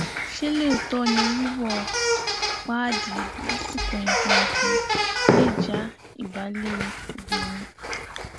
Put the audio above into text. Ṣé lóòtọ́ọ́ ni wíwọ páàdì lásìkò nǹkan oṣù lè já àbálé obìnrin?